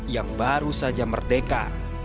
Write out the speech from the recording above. yang baru saja merdeka